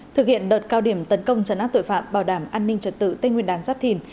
thực hiện đợt cao điểm tấn công trấn áp tội phạm bảo đảm an ninh trật tự tây nguyên đán giáp thìn